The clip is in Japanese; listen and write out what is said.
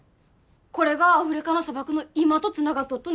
これがアフリカの砂漠の今とつながっとっとね？